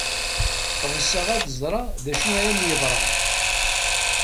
Ɣseɣ ad ẓreɣ d acu ay am-yeḍran...